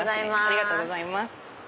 ありがとうございます。